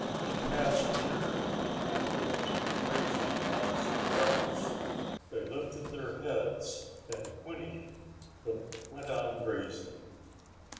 He passed near the antelopes grazing on some grass. They lifted their heads and whinnied, but went on grazing.